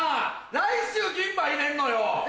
来週銀歯入れんのよ！